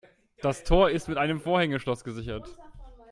Das Tor ist mit einem Vorhängeschloss gesichert.